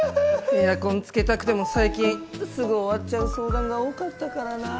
エアコンつけたくても最近すぐ終わっちゃう相談が多かったからなぁ。